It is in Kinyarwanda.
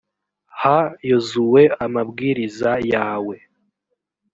ha yozuwe amabwiriza yawe